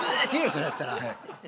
それやったら。